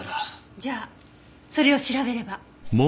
じゃあそれを調べれば。